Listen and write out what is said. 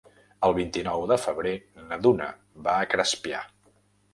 El vint-i-nou de febrer na Duna va a Crespià.